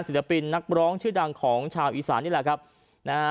ศิลปินนักร้องชื่อดังของชาวอีสานนี่แหละครับนะฮะ